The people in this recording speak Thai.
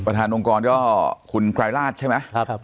ประธานองค์กรก็คุณกรายราชใช่ไหมครับ